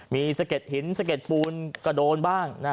มีสะเด็ดหินสะเก็ดปูนก็โดนบ้าง